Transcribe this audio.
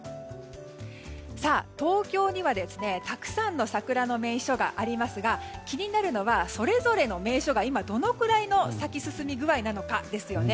東京にはたくさんの桜の名所がありますが気になるのはそれぞれの名所が今どのぐらいの咲き進み具合なのかですよね。